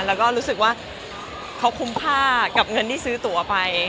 แล้วก็รู้สึกว่าเขาคุ้มค่ากับเงินที่ซื้อตัวไป